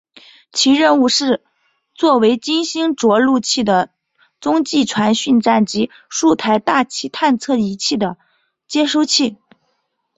其任务是做为金星着陆器的中继传讯站及数台大气探测仪器的接收器。